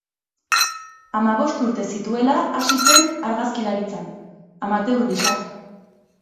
Hamabost urte zituela hasi zen argazkilaritzan, amateur gisa.